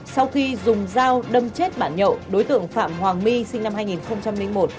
sau khi dùng dao đâm chết bạn nhậu đối tượng phạm hoàng my sinh năm hai nghìn một